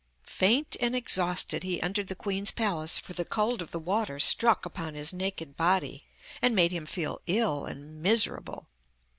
Faint and exhausted he entered the queen's palace for the cold of the water struck upon his naked body, and made him feel ill and miserable.